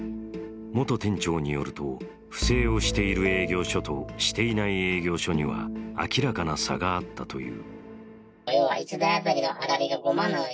元店長によると、不正をしている営業所と、していない営業所には明かな差があったという。